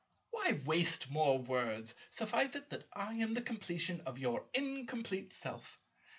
Why waste more words? Suffice it that I am the completion of your incomplete self.